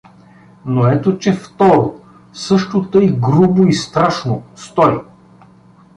Но ето че второ, също тъй грубо и страшно „стой!“